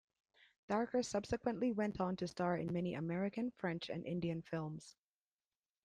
Dharker subsequently went on to star in many American, French and Indian films.